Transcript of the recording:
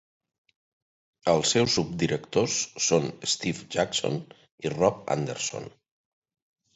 Els seus subdirectors són Steve Jackson i Rob Anderson.